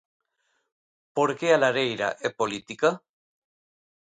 Por que a lareira é política?